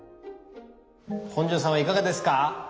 本上さんはいかがですか？